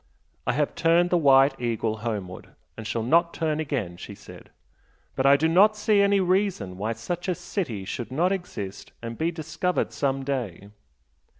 "I have turned the 'White Eagle' homeward, and shall not turn again" she said "But I do not see any reason why such a city should not exist and be discovered some day.